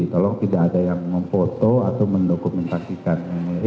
tolong tidak ada yang memfoto atau mendokumentasikan